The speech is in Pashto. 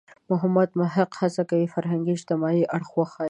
محمد محق هڅه کوي فرهنګي – اجتماعي اړخ وښيي.